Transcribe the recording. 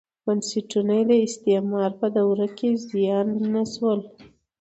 بنسټونه یې د استعمار په دوره کې زیان نه شول.